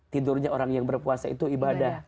tidurnya orang yang berpuasa itu ibadah